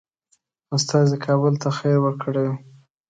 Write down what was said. استازي کابل ته خبر ورکړی وو.